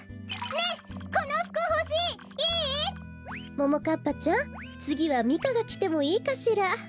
ももかっぱちゃんつぎはミカがきてもいいかしら？